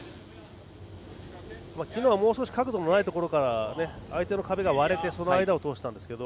昨日はもう少し角度のないところから相手の壁が割れてその間を通したんですけど。